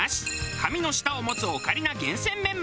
神の舌を持つオカリナ厳選メンマ。